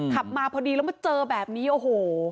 ขับมาพอดีแล้วมาเจอแบบนี้โอ้โห